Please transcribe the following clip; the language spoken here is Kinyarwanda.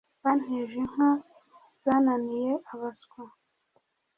Banteje inka zananiye abaswa